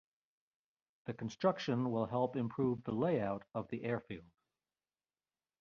The construction will help improve the layout of the airfield.